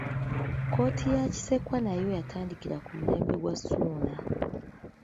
Kkooti ya Kisekwa nayo yatandikira ku mulembe gwa Ssuuna.